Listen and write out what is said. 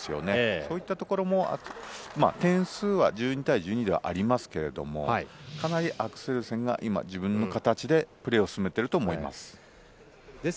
そういったところも点数は１２対１２ではありますけれども、かなりアクセルセンが自分の形でプレーを進めていると思います。